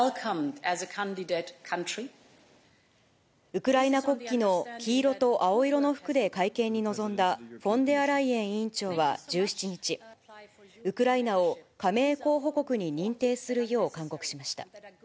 ウクライナ国旗の黄色と青色の服で会見に臨んだ、フォンデアライエン委員長は１７日、ウクライナを加盟候補国に認定するよう勧告しました。